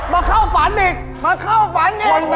มาเข้าฝันอีกมาเข้าฝันเนี่ยโอ้โฮ